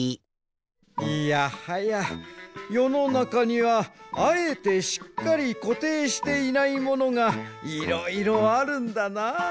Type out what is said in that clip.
いやはやよのなかにはあえてしっかりこていしていないものがいろいろあるんだな。